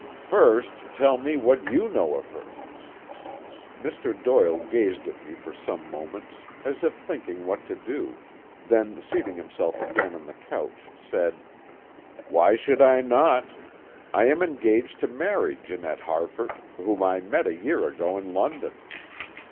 "First tell me what you know of her?" Mr. Doyle gazed at me for some moments as if thinking what to do, then seating himself again on the couch, said: "Why should I not? I am engaged to marry Janette Harford, whom I met a year ago in London.